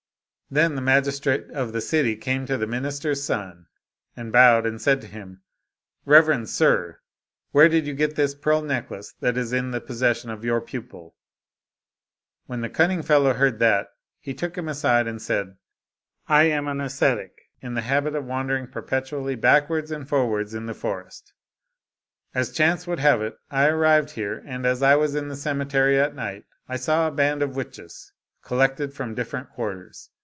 Then the magistrate of the city came to the minister's son, and bowed, and said to him^ " Rev 122 A Tale of a Demon erend sir, where did you get this pearl necklace that is in the possession of your pupil ?" When the cunning fellow heard that, he took him aside, and said, " I am an ascetic, in the habit of wandering perpetually backwards and for wards in the forests. As chance would have it, I arrived here, and as I was in the cemetery at night, I saw a band of witches collected from different quarters.